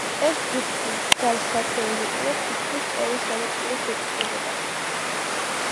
ეს ჯგუფი მსგავს სასეირნო ტურებს თითქმის ყოველ შაბათ-კვირას ეწყობოდა.